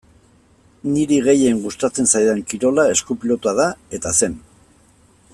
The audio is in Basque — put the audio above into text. Niri gehien gustatzen zaidan kirola esku-pilota da eta zen.